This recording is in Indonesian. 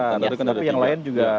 tapi yang lain juga